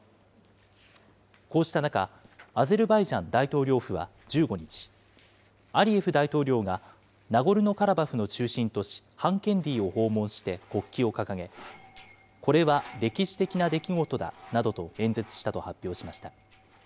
こうした中、アゼルバイジャン大統領府は１５日、アリエフ大統領がナゴルノカラバフの中心都市ハンケンディを訪問して国旗を掲げ、これは歴史的な出来事だなどと演説したと発表しました。